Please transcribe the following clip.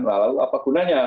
lalu apa gunanya